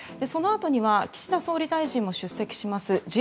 そのあとには岸田総理大臣も出席します